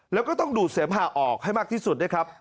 แล้วก็ต้องดูดเสมหาออกให้มากที่สุดด้วยครับ